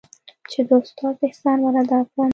چې د استاد احسان ورادا كړم.